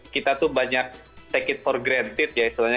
kita tuh banyak take it for granted ya istilahnya